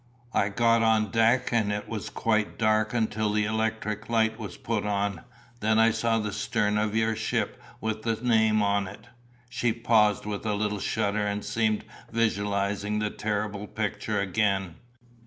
I got on deck and it was quite dark until the electric light was put on, then I saw the stern of your ship with the name on it." She paused with a little shudder and seemed visualizing the terrible picture again.